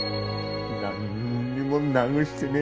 何にもなぐしてねえ